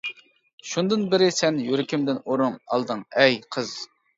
شۇندىن بېرى سەن يۈرىكىمدىن ئورۇن ئالدىڭ ئەي قىز.